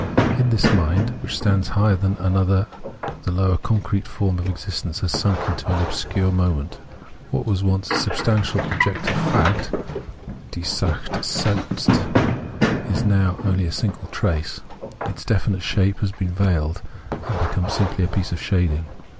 In that mind which stands higher than another the lower concrete form of existence has sunk into an obscure moment ; what was once substantial objective fact {die Sache selhst) is now only a single trace : its definite shape has been veiled, and become simply a piece of shading.